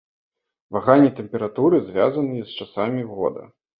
Ваганні тэмпературы звязаныя з часам года.